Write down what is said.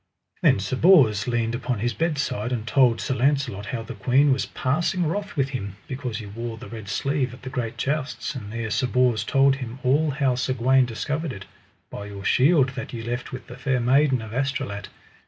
Then Sir Bors leaned upon his bedside, and told Sir Launcelot how the queen was passing wroth with him, because he wore the red sleeve at the great jousts; and there Sir Bors told him all how Sir Gawaine discovered it: By your shield that ye left with the Fair Maiden of Astolat.